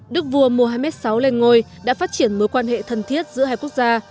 đức vua mohammed sáu lên ngôi đã phát triển mối quan hệ thân thiết giữa hai quốc gia